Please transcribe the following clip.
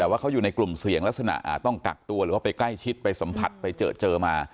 แต่ว่าเขาอยู่ในกลุ่มเสี่ยงลักษณะต้องกักตัวหรือว่าไปใกล้ชิดไปสัมผัสไปเจอมา